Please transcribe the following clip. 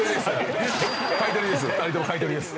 買い取りです。